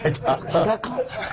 裸。